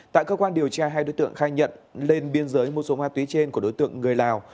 tại cơ quan điều tra hai đối tượng khai nhận lên biên giới mua số ma túy trên của đối tượng người lào